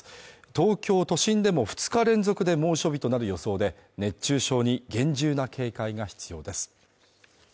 東京都心でも２日連続で猛暑日となる予想で、熱中症に厳重な警戒が必要です。